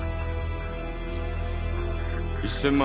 １，０００万